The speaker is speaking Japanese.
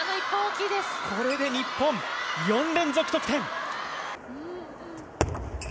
これで日本、４連続得点。